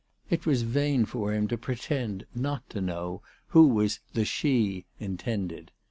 It was vain for him to pretend not to know who was the " she" intended.